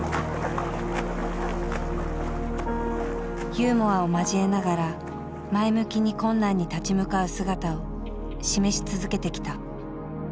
ユーモアを交えながら前向きに困難に立ち向かう姿を示し続けてきた。